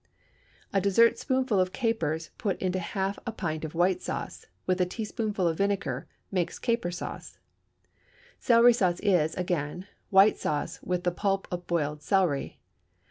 A dessertspoonful of capers put into half a pint of white sauce, with a teaspoonful of the vinegar, makes caper sauce. Celery sauce is, again, white sauce with the pulp of boiled celery.